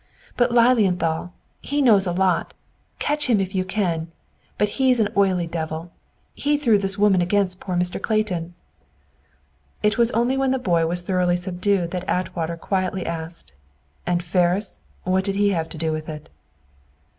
"But Lilienthal, he knows a lot! Catch him if you can! But he's an oily devil. He threw this woman against poor Mr. Clayton." It was only when the boy was thoroughly subdued that Atwater quietly asked, "And Ferris? What had he to do with it?"